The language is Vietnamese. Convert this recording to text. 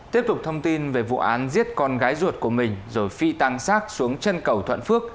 tiếp tục thông tin về vụ án giết con gái ruột của mình rồi phi tăng sát xuống chân cầu thuận phước